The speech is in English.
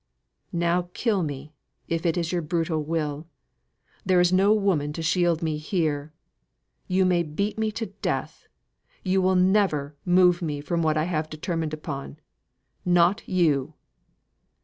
"Now kill me, if it is your brutal will. There is no woman to shield me here. You may beat me to death you will never move me from what I have determined upon not you!"